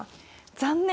残念！